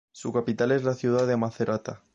Su capital es la ciudad de Macerata.